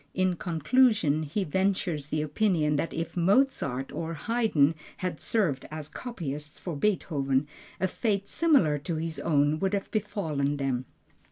In conclusion he ventures the opinion that if Mozart or Haydn had served as copyist for Beethoven, a fate similar to his own would have befallen them.